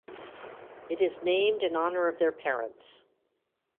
It is named in honor of their parents.